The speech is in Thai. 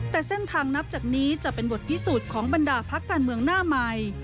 แต่เส้นทางนับจากนี้จะเป็นบทพิสูจน์ของบรรดาพักการเมืองหน้าใหม่